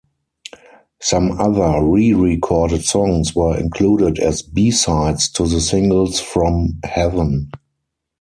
Some other re-recorded songs were included as B-sides to the singles from "Heathen".